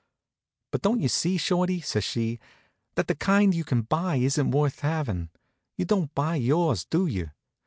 "But don't you see, Shorty," says she, "that the kind you can buy isn't worth having? You don't buy yours, do you?